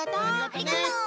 ありがとう！